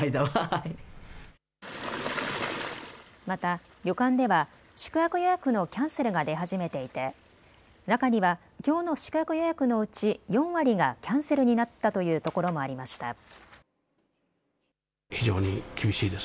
また旅館では宿泊予約のキャンセルが出始めていて中には、きょうの宿泊予約のうち４割がキャンセルになったというところもありました。